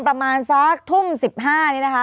ประมาณสักทุ่ม๑๕นี่นะคะ